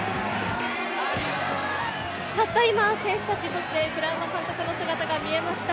たった今、選手たち、そして栗山監督の姿が見えました。